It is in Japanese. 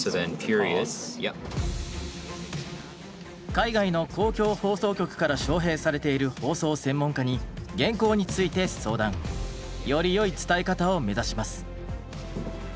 海外の公共放送局から招へいされている放送専門家に原稿について相談。よりよい伝え方を目指します。